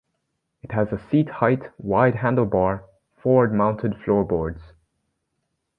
It has a seat height, wide handlebar, forward-mounted floorboards.